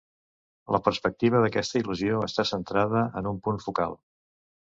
La perspectiva d'aquesta il·lusió està centrada en un punt focal.